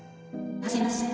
初めまして。